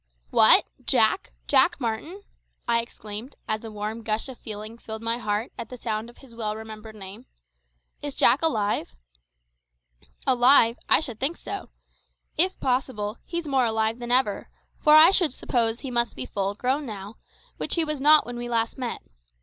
"What! Jack Jack Martin?" I exclaimed, as a warm gush of feeling filled my heart at the sound of his well remembered name. "Is Jack alive?" "Alive! I should think so. If possible, he's more alive than ever; for I should suppose he must be full grown now, which he was not when we last met.